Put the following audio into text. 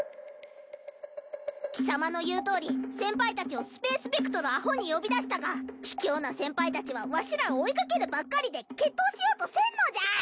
貴様の言うとおり先輩たちをスペースベクトル・ａ・ｈ・ｏに呼び出したがひきょうな先輩たちはわしらを追い掛けるばっかりで決闘しようとせんのじゃ。